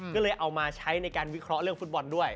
ก็เลยเอามาใช้ในการวิเคราะห์เรื่องฟุตบอลด้วย